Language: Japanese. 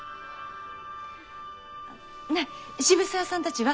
あねぇ渋沢さんたちは？